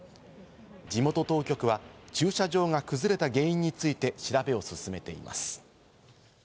地元当局は駐車場が崩れた原因について調べを進めています。